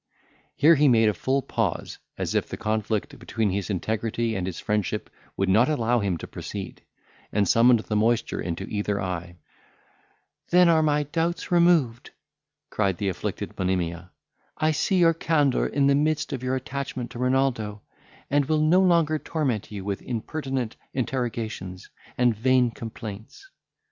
Here he made a full pause, as if the conflict between his integrity and his friendship would not allow him to proceed, and summoned the moisture into either eye—"Then are my doubts removed," cried the afflicted Monimia; "I see your candour in the midst of your attachment to Renaldo; and will no longer torment you with impertinent interrogations and vain complaints."